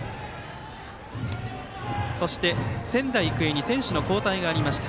そして、仙台育英に選手の交代がありました。